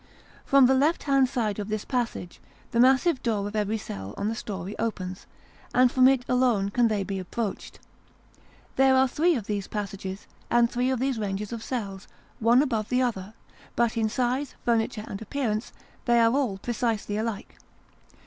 From the left hand side of this passage, the massive door of every cell on the story opens ; and from it alone can they be approached. There are three of these passages, and three of these ranges of cells, one above the other ; but in size, furniture and appear ance, they are all precisely alike.